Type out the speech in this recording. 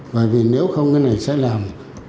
bởi vì nếu không cái này sẽ làm